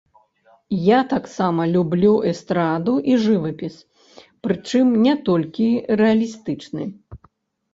Я таксама люблю эстраду і жывапіс, прычым не толькі рэалістычны.